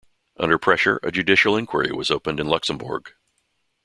Under pressure, a judicial inquiry was opened in Luxembourg.